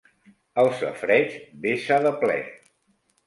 El safareig vessa de ple.